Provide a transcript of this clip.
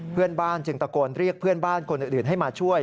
เพื่อนบ้านจึงตะโกนเรียกเพื่อนบ้านคนอื่นให้มาช่วย